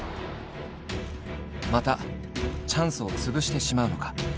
「またチャンスを潰してしまうのか？」。